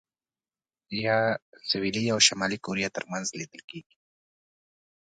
یا سوېلي او شمالي کوریا ترمنځ لیدل کېږي.